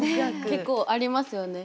結構ありますよね。